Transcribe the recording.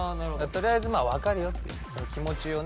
とりあえずまあ「わかるよ」っていうその気持ちをね。